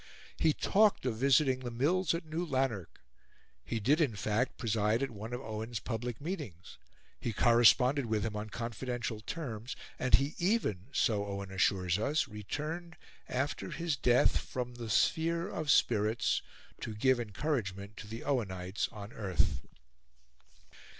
He talked of visiting the Mills at New Lanark, he did, in fact, preside at one of Owen's public meetings; he corresponded with him on confidential terms, and he even (so Owen assures us) returned, after his death, from "the sphere of spirits" to give encouragement to the Owenites on earth.